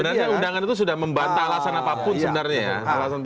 sebenarnya undangan itu sudah membantah alasan apapun sebenarnya ya